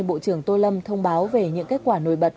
bộ trưởng tô lâm thông báo về những kết quả nổi bật